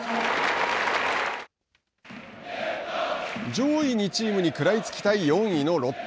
上位２チームに食らいつきたい４位のロッテ。